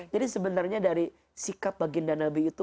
jadi sebenarnya dari sikap baginda nabi itu